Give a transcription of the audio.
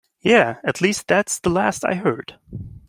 Yeah, at least that's the last I heard.